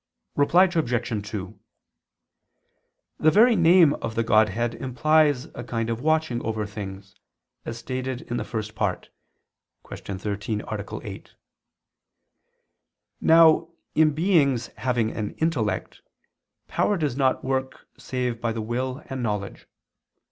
Reply Obj. 2: The very name of the Godhead implies a kind of watching over things, as stated in the First Part (Q. 13, A. 8). Now in beings having an intellect, power does not work save by the will and knowledge.